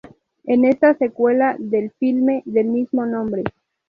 En esta secuela del filme del mismo nombre.